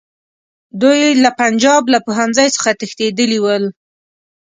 دوی له پنجاب له پوهنځیو څخه تښتېدلي ول.